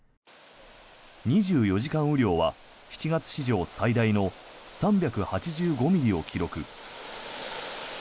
２４時間雨量は７月史上最大の３８５ミリを記録。